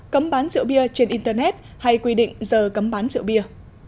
cấm bán rượu bia trên internet hay quy định giờ cấm bán rượu bia